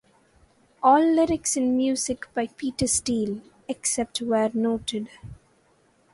All lyrics and music by Peter Steele, except where noted.